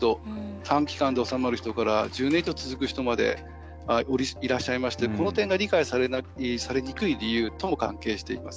短期間で治まる人から１０年以上続く人までいらっしゃいましてこの点が理解されにくい理由とも関係しています。